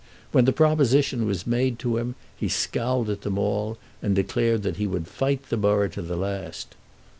When the proposition was made to him, he scowled at them all, and declared that he would fight the borough to the last.